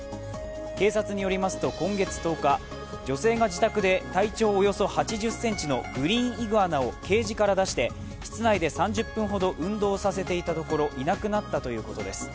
警察によりますと今月１０日、女性が自宅で体長およそ８０ｃｍのグリーンイグアナをケージから出して室内で３０分ほど運動させていたところいなくなったということです。